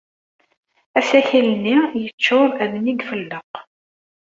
Asakal-nni yeččuṛ armi ay ifelleq.